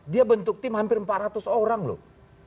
dia bentuk tim hampir empat ratus orang loh